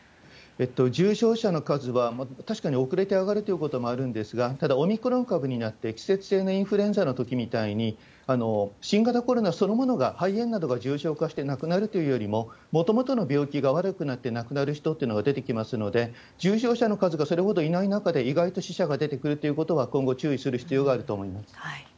重症者の数は、確かに遅れて上がるってことはあるんですが、ただオミクロン株になって、季節性のインフルエンザのときみたいに、新型コロナそのものが、肺炎などが重症化して亡くなるというよりも、もともとの病気が悪くなって亡くなる人っていうのが出てきますので、重症者の数がそれほどいない中で死者が出てくるっていうことは、今後、注意する必要があると思います。